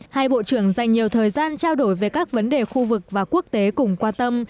hai bộ trưởng dành nhiều thời gian trao đổi về các vấn đề khu vực và quốc tế cùng quan tâm